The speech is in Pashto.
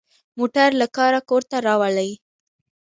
موټر له کاره کور ته راولي.